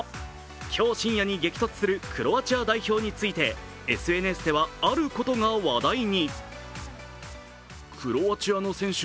今日深夜に激突するクロアチア代表についてＳＮＳではあることが話題に。